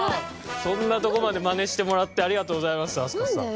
そんなとこまでマネしてもらってありがとうございます飛鳥さん。